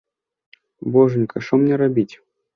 Божанька, што мне рабіць?